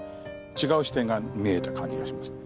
違う視点が見えた感じがしましたね。